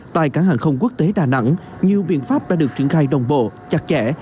tại cảng hàng không quốc tế đà nẵng nhiều biện pháp đã được triển khai đồng bộ chặt chẽ